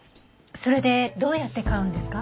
それでどうやって買うんですか？